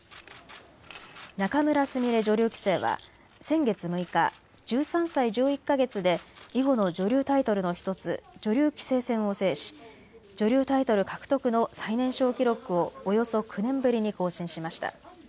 仲邑菫女流棋聖は先月６日、１３歳１１か月で囲碁の女流タイトルの１つ女流棋聖戦を制し女流タイトル獲得の最年少記録をおよそ９年ぶりに更新しました。